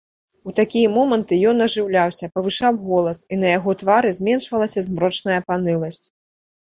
У такія моманты ён ажыўляўся, павышаў голас, і на яго твары зменшвалася змрочная паныласць.